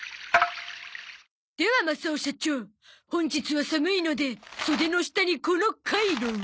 ではマサオ社長本日は寒いので袖の下にこのカイロを。